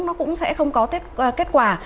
nó cũng sẽ không có kết quả